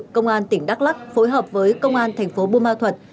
công an tỉnh đắk lắc phối hợp với công an thành phố bù ma thuật